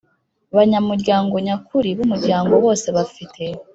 banyamuryango nyakuri b umuryango Bose bafite